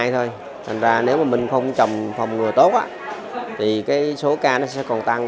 thành ra nếu mình không trầm phòng ngừa tốt thì số ca nó sẽ còn tăng